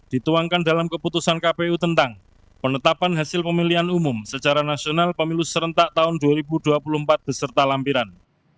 dituangkan dalam keputusan kpu tentang penetapan hasil pemilihan umum secara nasional pemilu serentak tahun dua ribu dua puluh empat beserta lampiran